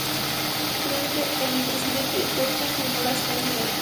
Finalmente el presidente Gottwald firmó las penas de muerte.